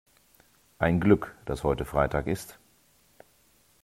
Ein Glück, dass heute Freitag ist!